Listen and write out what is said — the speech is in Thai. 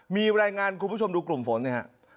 มีรายงานคุณผู้ชมดูกลุ่มฝนสิฮะ